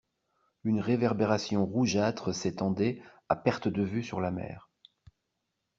Une réverbération rougeâtre s'étendait à perte de vue sur la mer.